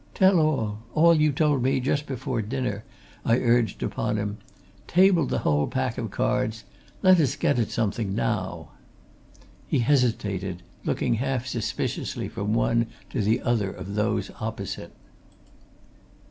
"Tell all all you told me just before dinner!" I urged upon him. "Table the whole pack of cards: let us get at something now!" He hesitated, looking half suspiciously from one to the other of those opposite.